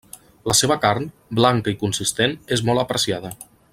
La seva carn, blanca i consistent, és molt apreciada.